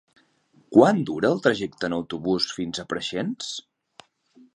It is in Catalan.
Quant dura el trajecte en autobús fins a Preixens?